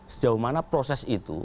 sejauh mana proses itu